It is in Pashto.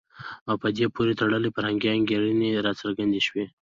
او په دې پورې تړلي فرهنګي انګېرنې راڅرګندې شي.